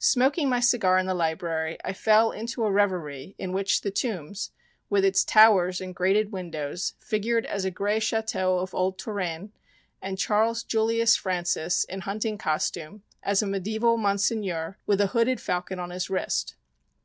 Smoking my cigar in the library I fell into a reverie in which the Tombs, with its towers and grated windows, figured as a gray château of old Tourraine, and Charles Julius Francis in hunting costume as a mediaeval monseigneur with a hooded falcon on his wrist.